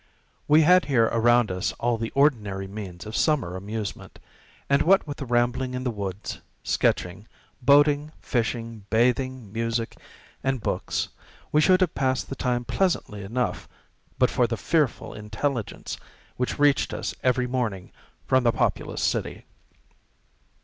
We had here around us all the ordinary means of summer amusement; and what with rambling in the woods, sketching, boating, fishing, bathing, music, and books, we should have passed the time pleasantly enough, but for the fearful intelligence which reached us every morning from the populous city.